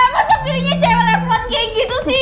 kayak masa pilihnya cewek level satu kayak gitu sih